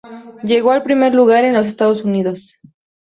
Llegó al primer lugar en los Estados Unidos.